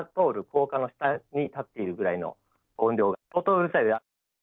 高架の下に立っているぐらいの音量で、相当うるさいです。